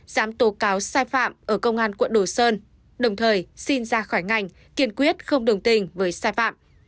giám tố cáo sai phạm ở công an quận đồ sơn đồng thời xin ra khỏi ngành kiên quyết không đồng tình với sai phạm